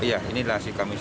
iya ini dilansir kami